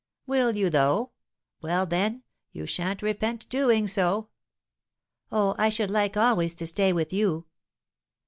"Will you, though? Well, then, you sha'n't repent doing so." "Oh, I should like always to stay with you!"